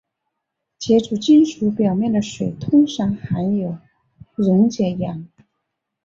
接触金属表面的水通常含有溶解氧。